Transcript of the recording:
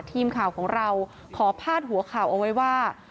ทีมข่าวของเราขอพาดหัวข่าวเอาไว้ว่า